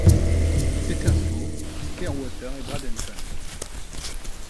Petersburg, Clearwater et Bradenton.